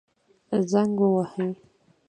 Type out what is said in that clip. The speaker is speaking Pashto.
زنګ ووهئ